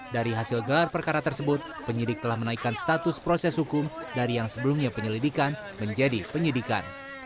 dari hasil gelar perkara tersebut penyidik telah menaikkan status proses hukum dari yang sebelumnya penyelidikan menjadi penyidikan